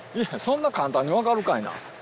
そんな簡単に分かるかいな！